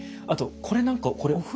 あとこれなんかこれ。